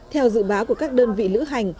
theo dự báo của các đơn vị lữ hành